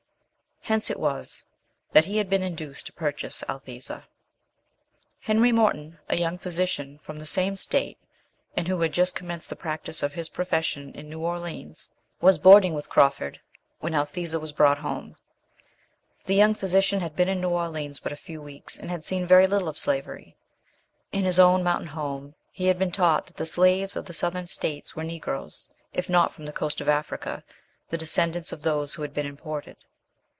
Hence it was that he had been induced to purchase Althesa. Henry Morton, a young physician from the same state, and who had just commenced the practice of his profession in New Orleans, was boarding with Crawford when Althesa was brought home. The young physician had been in New Orleans but a few weeks, and had seen very little of slavery. In his own mountain home he had been taught that the slaves of the Southern states were Negroes, if not from the coast of Africa, the descendants of those who had been imported.